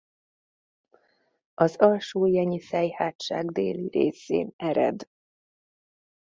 Az Alsó-Jenyiszej-hátság déli részén ered.